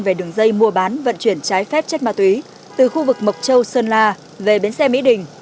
về đường dây mua bán vận chuyển trái phép chất ma túy từ khu vực mộc châu sơn la về bến xe mỹ đình